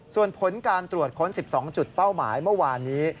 ส่วนผลการตรวจค้น๑๒จุดเป้าหมายเมื่อวานนี้